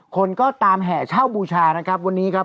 คนก็ตามแห่เช่าบูชานะครับวันนี้ครับ